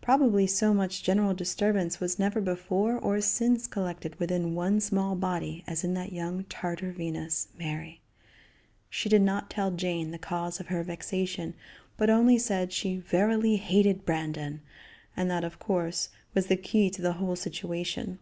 Probably so much general disturbance was never before or since collected within one small body as in that young Tartar Venus, Mary. She did not tell Jane the cause of her vexation, but only said she "verily hated Brandon," and that, of course, was the key to the whole situation.